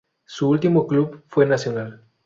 Su último club fue Nacional.